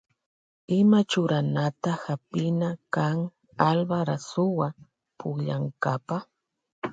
Ima churanata hapina kan Alba rasuwa pukllankapa.